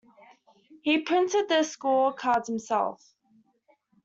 He printed the score cards himself.